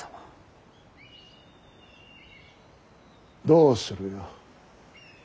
どうするよ。